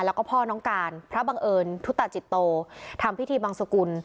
แล้วก็พ่อน้องการพระบังเอิญทุตาจิตโตทำพิธีบังสกุล